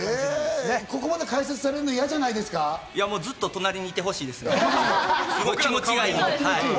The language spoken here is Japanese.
ここまで解説されるの、ずっと隣にいてほしいです、気持ちがいい。